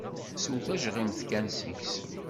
Sew tajɣimt kan seg-s.